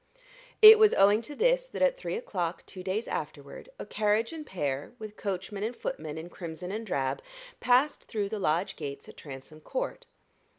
It was owing to this that at three o'clock, two days afterward, a carriage and pair, with coachman and footman in crimson and drab, passed through the lodge gates at Transome Court.